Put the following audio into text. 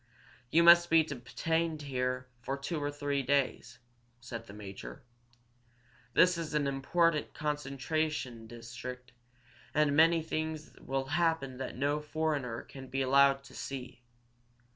"You must be detained here for two or three days," said the major. "This is an important concentration district, and many things will happen that no foreigner can be allowed to see.